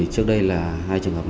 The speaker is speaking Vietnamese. trước đây là hai trường hợp